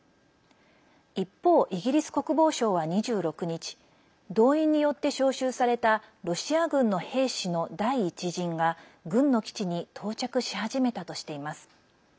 一方、イギリス国防省は２６日動員によって招集されたロシア軍の兵士の第１陣が軍の基地に到着し始めたとしています。